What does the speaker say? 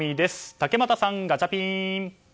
竹俣さん、ガチャピン！